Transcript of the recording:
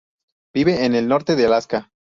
Viven en el norte de Alaska.